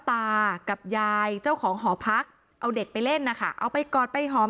ตากับยายเจ้าของหอพักเอาเด็กไปเล่นนะคะเอาไปกอดไปหอม